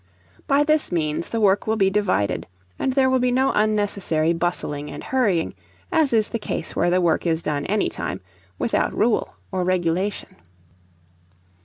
By this means the work will be divided, and there will be no unnecessary bustling and hurrying, as is the case where the work is done any time, without rule or regulation.